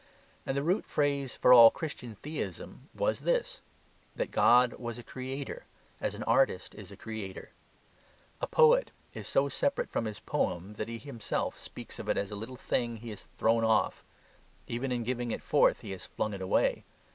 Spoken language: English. And the root phrase for all Christian theism was this, that God was a creator, as an artist is a creator. A poet is so separate from his poem that he himself speaks of it as a little thing he has "thrown off." Even in giving it forth he has flung it away.